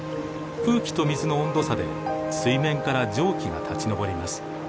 空気と水の温度差で水面から蒸気が立ち上ります。